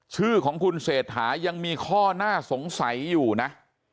ชื่อของคุณเศรษฐายังมีข้อน่าสงสัยอยู่นะ